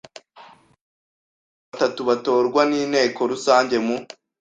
y abantu batatu batorwa n inteko rusange mu